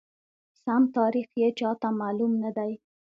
سم تاریخ یې چاته معلوم ندی،